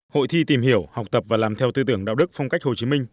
hội thi tìm hiểu học tập và làm theo tư tưởng đạo đức phong cách hồ chí minh